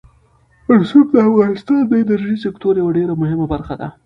رسوب د افغانستان د انرژۍ سکتور یوه ډېره مهمه برخه ده.